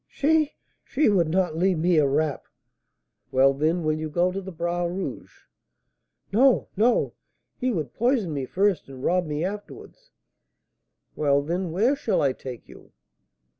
"She! she would not leave me a rap." "Well, then, will you go to Bras Rouge?" "No, no! He would poison me first and rob me afterwards." "Well, then, where shall I take you?"